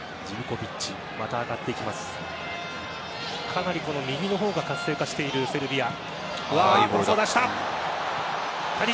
かなり右が活性化しているセルビア。